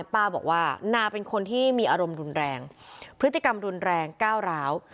ป้าบอกว่านาเป็นคนที่มีอารมณ์รุนแรงพฤติกรรมรุนแรงก้าวร้าว